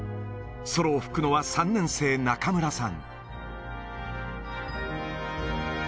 ソロを吹くのは３年生、中村さん。